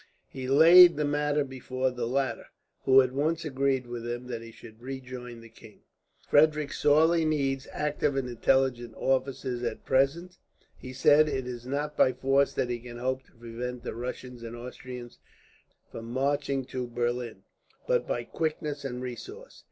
He laid the matter before the latter, who at once agreed with him that he should rejoin the king. "Frederick sorely needs active and intelligent officers, at present," he said. "It is not by force that he can hope to prevent the Russians and Austrians from marching to Berlin, but by quickness and resource.